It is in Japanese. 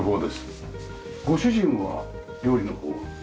ご主人は料理の方は。